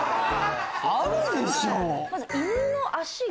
あるでしょ！